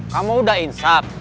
kamu udah insap